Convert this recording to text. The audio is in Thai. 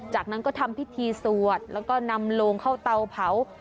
จากนั้นก็ทำพิธีสวดแล้วก็นำโลงเข้าเตาเผา